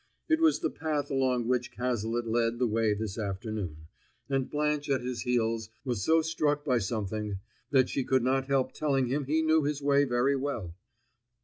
It was the path along which Cazalet led the way this afternoon, and Blanche at his heels was so struck by something that she could not help telling him he knew his way very well.